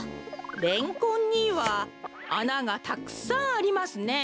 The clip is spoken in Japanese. レンコンにはあながたくさんありますね。